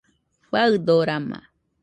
Faɨdorama